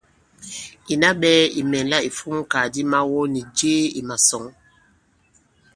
Ìna ɓɛɛ̄ ì mɛ̀nla ìfumkàgàdi mawɔ nì jee ì màsɔ̌ŋ.